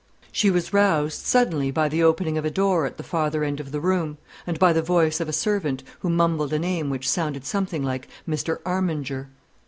She was roused suddenly by the opening of a door at the farther end of the room, and by the voice of a servant, who mumbled a name which sounded something like Mr. Armenger.